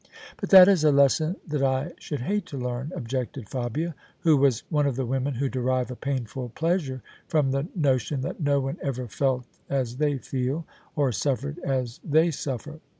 " But that is a lesson that I should hate to learn," objected Fabia, who was one of the women who derive a painful pleasure from the notion that no one ever felt as they feel, or suffered as they suffer.